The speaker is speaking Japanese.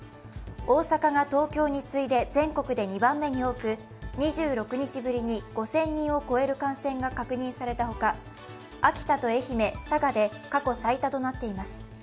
大阪が東京に次いで全国で２番目に多く２６日ぶりに５０００人を超える感染が確認されたほか秋田と愛媛、佐賀で過去最多となっています。